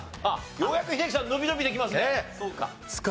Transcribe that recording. ようやく英樹さん伸び伸びできますね。